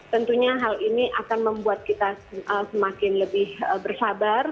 tentunya hal ini akan membuat kita semakin lebih bersabar